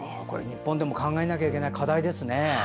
日本でも考えなきゃいけない課題ですね。